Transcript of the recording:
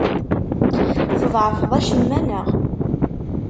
Tḍeεfeḍ acemma, neɣ?